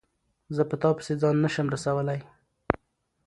زه په تا پسي ځان نه سم رسولای